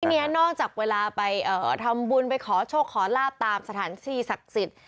ทีนี้นอกจากเวลาไปทำบุญไปขอโชคขอลาบตามสถานที่ศักดิ์สิทธิ์